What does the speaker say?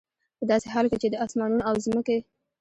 په داسي حال كي چي د آسمانونو او زمكي